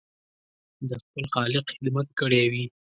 د خپل خالق خدمت کړی وي.